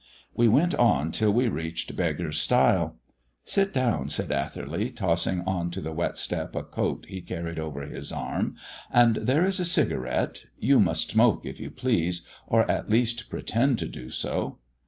We went on till we reached Beggar's Stile. "Sit down," said Atherley, tossing on to the wet step a coat he carried over his arm. "And there is a cigarette; you must smoke, if you please, or at least pretend to do so."